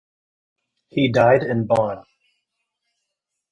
He died in Bonn.